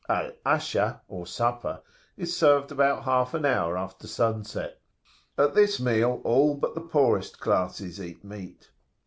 'Al Asha,' or supper, is served about half an hour after sunset; at this meal all but the poorest classes eat meat.